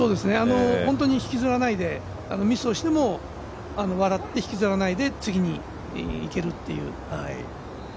本当に引きずらないでミスをしても笑って、引きずらないで次にいけるという。